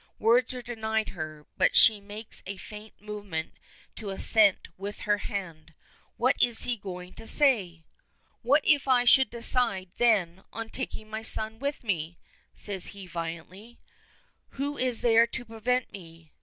Words are denied her, but she makes a faint movement to assent with her hand. What is he going to say! "What if I should decide, then, on taking my son with me?" says he violently. "Who is there to prevent me?